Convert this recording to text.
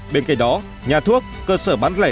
bên cạnh đó nhà thuốc cơ sở bán lẻ